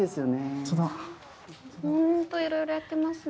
・ホントだ・ホントいろいろやってますね。